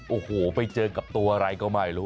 โอ้โหไปเจอกับตัวอะไรก็ไม่รู้